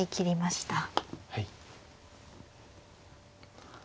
はい。